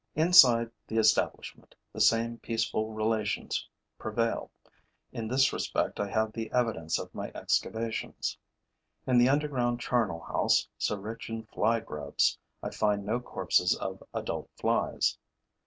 Inside the establishment, the same peaceful relations prevail. In this respect I have the evidence of my excavations. In the underground charnel house, so rich in Fly grubs, I find no corpses of adult flies.